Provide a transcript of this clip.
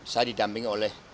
saya didamping oleh